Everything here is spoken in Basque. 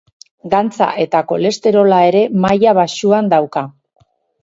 Gantza eta kolesterola ere maila baxuan dauka.